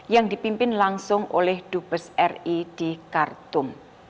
yang dipimpin langsung oleh dubes ri di khartum